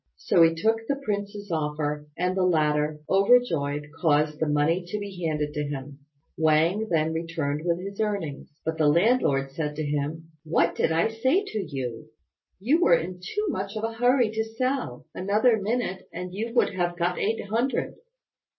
So he took the prince's offer, and the latter, overjoyed, caused the money to be handed to him. Wang then returned with his earnings; but the landlord said to him, "What did I say to you? You were in too much of a hurry to sell. Another minute, and you would have got eight hundred."